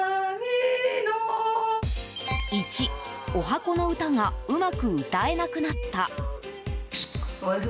１、おはこの歌がうまく歌えなくなった。